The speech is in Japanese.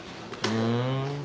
ふん。